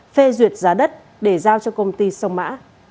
phê duyệt giá đất để giao cho công ty sông mã